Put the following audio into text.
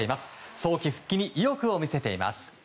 早期復帰に意欲を見せています。